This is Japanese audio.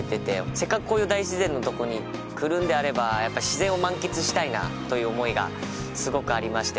せっかくこういう大自然のとこに来るんであれば、やっぱり自然を満喫したいなという思いがすごくありまして。